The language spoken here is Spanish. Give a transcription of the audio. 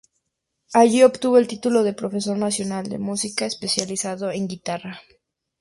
Allí obtuvo el título de profesor nacional de música especializado en guitarra.